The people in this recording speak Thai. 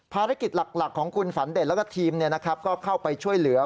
ภารกิจหลักของคุณฝันเด่นแล้วก็ทีมก็เข้าไปช่วยเหลือ